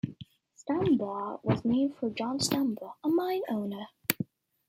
Stambaugh was named for John Stambaugh, a mine owner.